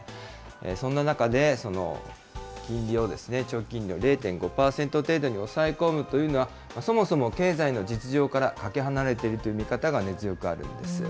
そんな中で、金利を、長期金利を０．５％程度に抑え込むというのは、そもそも経済の実情からかけ離れているという見方が根強くあるんです。